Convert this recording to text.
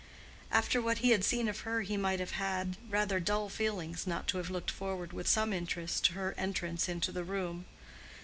After what he had seen of her he must have had rather dull feelings not to have looked forward with some interest to her entrance into the room.